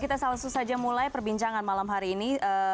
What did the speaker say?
kita langsung saja mulai perbincangan malam hari ini